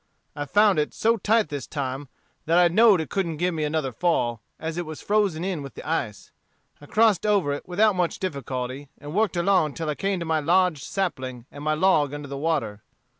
I found it so tight this time, that I know'd it couldn't give me another fall, as it was frozen in with the ice. I crossed over it without much difficulty, and worked along till I came to my lodged sapling and my log under the water.